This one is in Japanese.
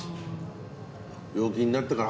病気になってから。